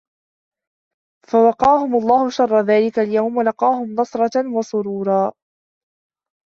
فَوَقاهُمُ اللَّهُ شَرَّ ذلِكَ اليَومِ وَلَقّاهُم نَضرَةً وَسُرورًا